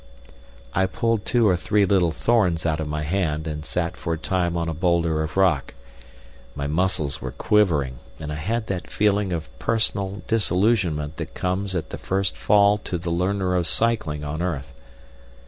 I pulled two or three little thorns out of my hand, and sat for a time on a boulder of rock. My muscles were quivering, and I had that feeling of personal disillusionment that comes at the first fall to the learner of cycling on earth.